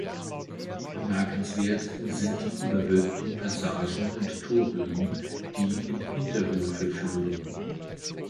Bemerkenswert sind die überwölbten Passagen und Torbögen, die in Hinterhöfe führen.